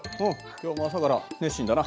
今日も朝から熱心だな。